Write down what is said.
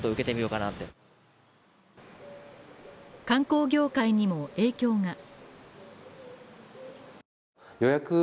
観光業界にも影響が。